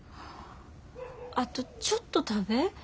あとちょっと食べ。